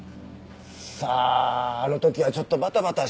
さああの時はちょっとバタバタしてましたから。